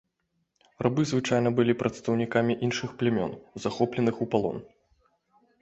Рабы звычайна былі прадстаўнікамі іншых плямён, захопленых у палон.